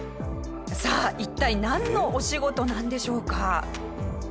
さあ一体なんのお仕事なんでしょうか？